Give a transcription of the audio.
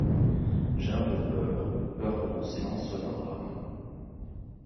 J'ai un peu peur. Peur que ton silence soit un drame.